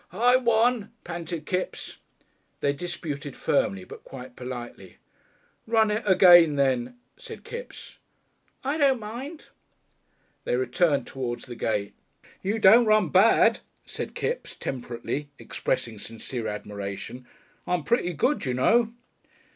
"I won," panted Kipps. They disputed firmly but quite politely. "Run it again, then," said Kipps. "I don't mind." They returned towards the gate. "You don't run bad," said Kipps, temperately expressing sincere admiration. "I'm pretty good, you know."